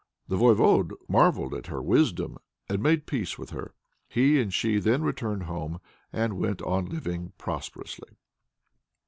"The Voyvode marvelled at her wisdom, and made peace with her. He and she then returned home and went on living prosperously."